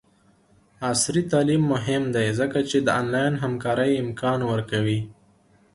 عصري تعلیم مهم دی ځکه چې د آنلاین همکارۍ امکان ورکوي.